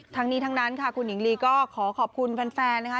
ทั้งนี้ทั้งนั้นค่ะคุณหญิงลีก็ขอขอบคุณแฟนนะคะ